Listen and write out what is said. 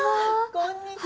こんにちは。